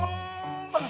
sultan lebih kangen